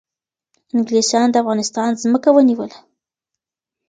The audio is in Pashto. انگلیسان د افغانستان ځمکه ونیوله